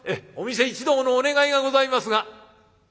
お店一同のお願いがございますが」。